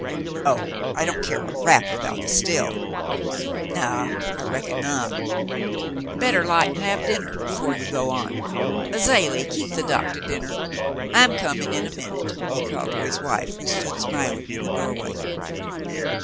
"Oh, I don't care a rap about the still." "Naw, I reckon not. Better light an' have dinner 'fore you go on. Azalie, keep the doc to dinner. I'm comin' in a minute," he called to his wife, who stood smiling in the doorway.